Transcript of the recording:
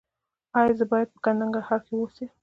ایا زه باید په ننګرهار کې اوسم؟